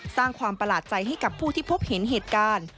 สร้างความประหลาดใจให้กับผู้ที่พบเห็นเหตุการณ์